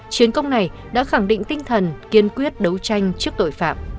chiến công này đã khẳng định tinh thần kiên quyết đấu tranh trước tội phạm